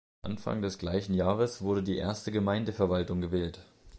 Anfang des gleichen Jahres wurde die erste Gemeindeverwaltung gewählt.